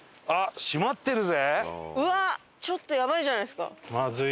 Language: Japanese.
ちょっとやばいんじゃないですか？